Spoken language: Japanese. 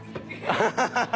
ハハハハ！